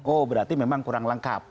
oh berarti memang kurang lengkap